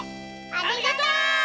ありがとう！